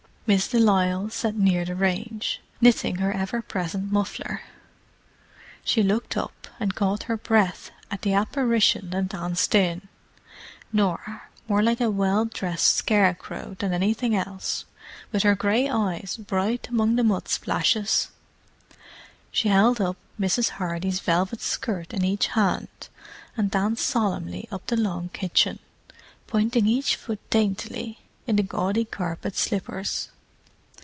Miss de Lisle sat near the range, knitting her ever present muffler. She looked up, and caught her breath at the apparition that danced in—Norah, more like a well dressed scarecrow than anything else, with her grey eyes bright among the mud splashes. She held up Mrs. Hardy's velvet skirt in each hand, and danced solemnly up the long kitchen, pointing each foot daintily, in the gaudy carpet slippers.